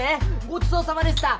ごちそうさまでした。